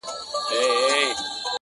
• د غلیم جنګ ته وروتلي تنها نه سمیږو ,